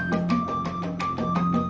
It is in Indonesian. tidak ada polnya